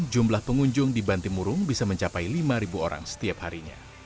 jumlah pengunjung di bantimurung bisa mencapai lima orang setiap harinya